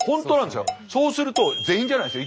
そうすると全員じゃないですよ